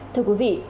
thưa quý vị